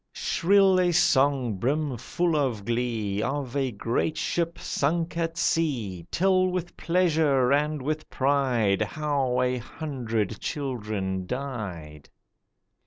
Shrill a song brim full of glee Of a great ship sunk at sea. Tell with pleasure and with pride How a hundred children died.